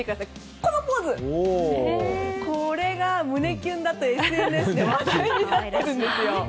これが胸キュンだとＳＮＳで話題になっているんです。